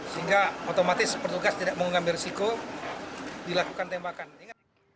sehingga otomatis petugas tidak mengambil resiko dilakukan tembakan